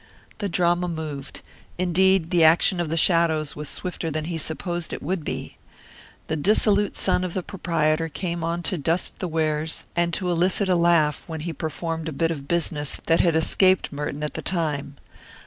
The drama moved. Indeed the action of the shadows was swifter than he supposed it would be. The dissolute son of the proprietor came on to dust the wares and to elicit a laugh when he performed a bit of business that had escaped Merton at the time.